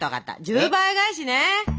１０倍返しね。